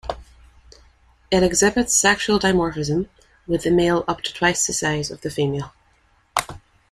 It exhibits sexual dimorphism with the male up to twice the size of female.